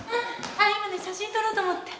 今ね写真撮ろうと思って。